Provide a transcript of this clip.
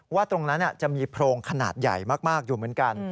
ว่าตรงนั้นจะมีโพรงขนาดใหญ่มากอยู่เหมือนกัน